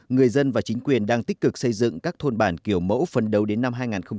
người dân và chính quyền đang tích cực xây dựng các thôn bản kiểu mẫu phần đầu đến năm hai nghìn hai mươi